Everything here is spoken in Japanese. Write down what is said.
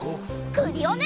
クリオネ！